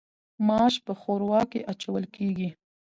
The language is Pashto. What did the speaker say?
ماش په ښوروا کې اچول کیږي.